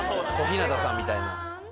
小日向さんみたいな。